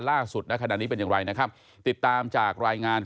ล่าสุดณขณะนี้เป็นอย่างไรนะครับติดตามจากรายงาน